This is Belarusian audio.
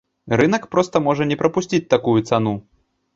Рынак проста можа не прапусціць такую цану.